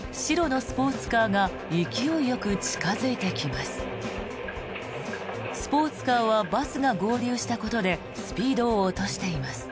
スポーツカーはバスが合流したことでスピードを落としています。